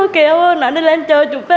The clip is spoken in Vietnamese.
kéo nó đi lên chờ chụp phê